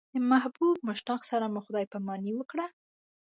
د محبوب مشتاق سره مو خدای پاماني وکړه.